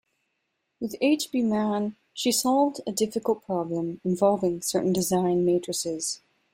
With H. B. Mann, she solved a difficult problem involving certain design matrices.